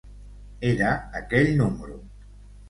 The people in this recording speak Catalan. Era aquell número.